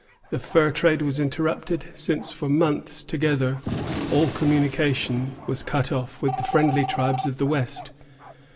The fur trade was interrupted, since for months together all communication was cut off with the friendly tribes of the west.